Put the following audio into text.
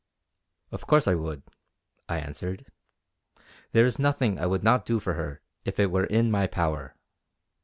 "Of course I would." I answered. "There is nothing I would not do for her if it were in my power."